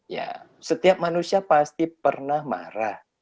ya setiap manusia pasti pernah marah